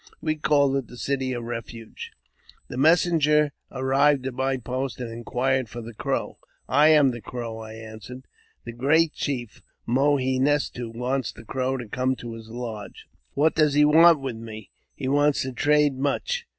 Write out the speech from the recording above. We called it the City of Refuge. The messenger arrived at my post, and inquired for the Crow. " I am the Crow," I answered. " The great chief, Mo he nes to, wants the Crow to come to his lodge." " What does he want with me ?"" He wants to trade much."